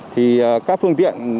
thì các phương tiện sẽ dừng hoạt động